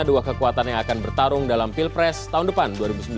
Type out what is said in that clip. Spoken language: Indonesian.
dua kekuatan yang akan bertarung dalam pilpres tahun depan dua ribu sembilan belas